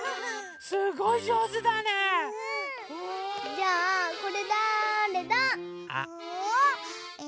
じゃあこれだれだ？あっ。